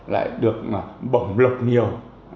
lại được bổng lộc nhiều